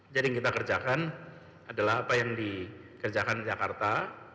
jadi yang kita kerjakan adalah apa yang dikerjakan jakarta